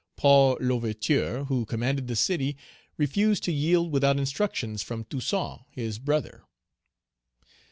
Paul L'Ouverture, who commanded the city, refused to yield without instructions from Toussaint, his brother.